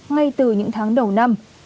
ngay từ những tháng đầu năm